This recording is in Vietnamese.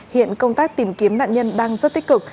hiện công tác tìm kiếm nạn nhân đang rất tích cực